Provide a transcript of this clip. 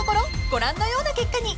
［ご覧のような結果に。